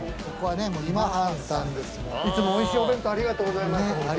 いつもおいしいお弁当ありがとうございます。